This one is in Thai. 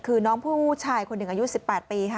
คือน้องผู้ชายคนหนึ่งอายุ๑๘ปีค่ะ